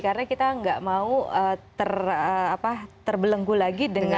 karena kita nggak mau terbelenggu lagi dengan